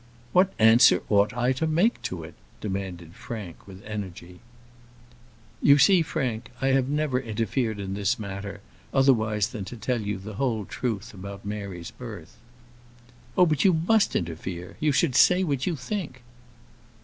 "What answer ought I to make to it?" demanded Frank, with energy. "You see, Frank, I have never interfered in this matter, otherwise than to tell you the whole truth about Mary's birth." "Oh, but you must interfere: you should say what you think."